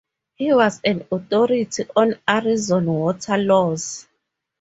He was an authority on Arizona water laws.